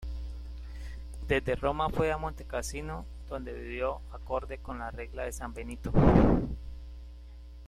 Desde Roma fue a Montecasino, donde vivió acorde con la Regla de San Benito.